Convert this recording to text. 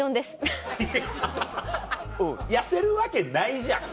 ハハハハ痩せるわけないじゃん。